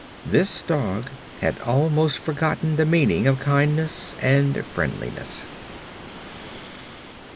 This dog had almost forgotten the meaning of kindness and friendliness.